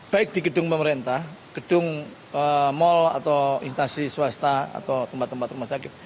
baik di gedung pemerintah gedung mal atau instansi swasta atau tempat tempat rumah sakit